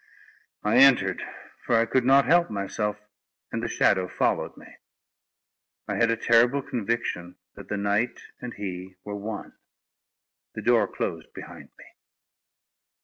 I entered, for I could not help myself; and the shadow followed me. I had a terrible conviction that the knight and he were one. The door closed behind me.